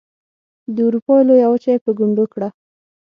د اروپا لویه وچه یې په ګونډو کړه.